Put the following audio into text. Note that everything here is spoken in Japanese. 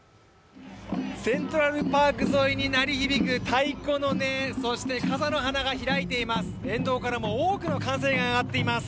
セントラルパーク沿いに鳴り響く太鼓の音、そして傘の花が開いています。